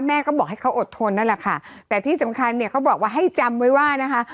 แม่ก็บอกให้เขาอดทนนั่นแหละค่ะแต่ที่สำคัญเนี่ยเขาบอกว่าให้จำไว้ว่านะคะ